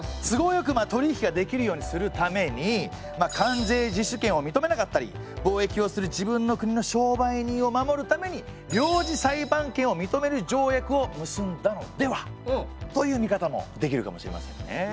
都合よく取り引きができるようにするために関税自主権を認めなかったり貿易をする自分の国の商売人を守るために領事裁判権を認める条約を結んだのでは？という見方もできるかもしれませんね。